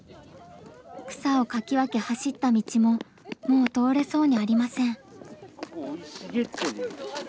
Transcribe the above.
草をかき分け走った道ももう通れそうにありません。